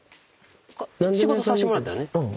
仕事させてもらったよね。